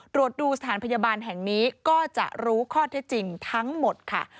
ตรวจดูสถานพยาบาลแห่งนี้ก็จะรู้ข้อเท็จจริงทั้งหมดค่ะ